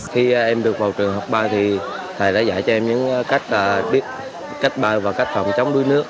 khi em được vào trường học ba thì thầy đã dạy cho em những cách biết cách bơi và cách phòng chống đuối nước